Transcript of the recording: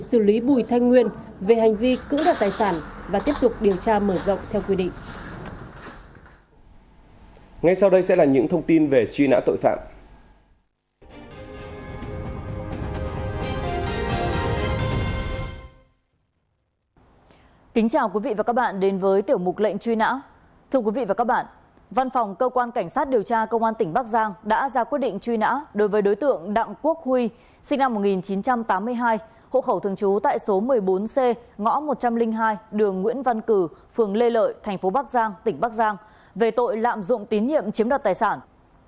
sinh năm một nghìn chín trăm tám mươi hai hộ khẩu thường trú tại số một mươi bốn c ngõ một trăm linh hai đường nguyễn văn cử phường lê lợi thành phố bắc giang tỉnh bắc giang về tội lạm dụng tín nhiệm chiếm đặt tài sản